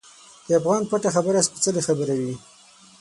د افغان پټه خبره سپیڅلې خبره وي.